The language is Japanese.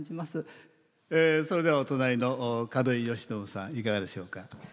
それではお隣の門井慶喜さんいかがでしょうか。